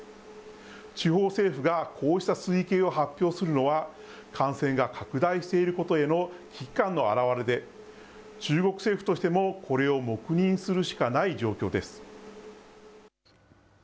地方政府が、こうした推計を発表するのは、感染が拡大していることへの危機感の表れで、中国政府としてもこれを黙認するしかない状況です。